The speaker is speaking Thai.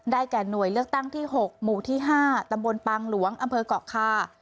แก่หน่วยเลือกตั้งที่๖หมู่ที่๕ตำบลปางหลวงอำเภอกเกาะคา